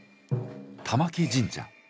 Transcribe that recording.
玉置神社。